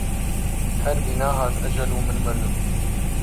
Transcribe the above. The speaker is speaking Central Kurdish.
هەر بینا هات ئەجەل و من مردم